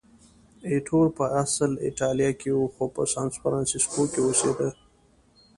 ایټور په اصل کې د ایټالیا و، خو په سانفرانسیسکو کې اوسېده.